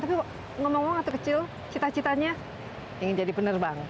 tapi ngomong ngomong atau kecil cita citanya ingin jadi penerbang